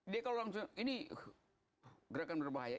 dia kalau langsung ini gerakan berbahaya